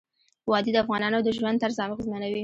وادي د افغانانو د ژوند طرز اغېزمنوي.